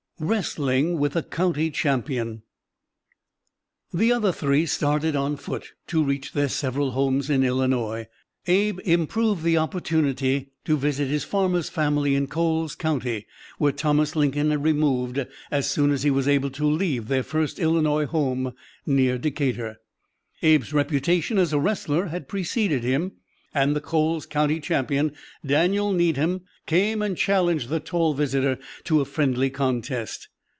WRESTLING WITH THE COUNTY CHAMPION The other three started on foot to reach their several homes in Illinois. Abe improved the opportunity to visit his father's family in Coles County, where Thomas Lincoln had removed as soon as he was able to leave their first Illinois home near Decatur. Abe's reputation as a wrestler had preceded him and the Coles County Champion, Daniel Needham, came and challenged the tall visitor to a friendly contest.